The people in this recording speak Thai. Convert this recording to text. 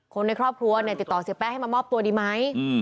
คนในครอบครัวเนี่ยติดต่อเสียแป้งให้มามอบตัวดีไหม